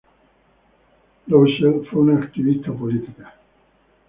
Roussel fue una activista política.